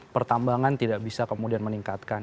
pertambangan tidak bisa kemudian meningkatkan